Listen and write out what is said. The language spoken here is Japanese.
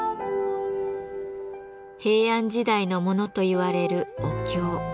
平安時代のものといわれるお経。